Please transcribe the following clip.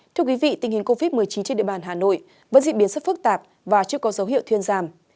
thưa quý vị tình hình covid một mươi chín trên địa bàn hà nội vẫn diễn biến rất phức tạp và chưa có dấu hiệu thuyên giảm